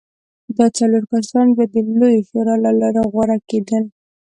دا څلور کسان بیا د لویې شورا له لارې غوره کېدل.